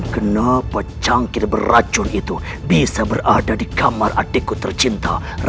kenapa cangkir beracun itu bisa berada di kamar adikku tercinta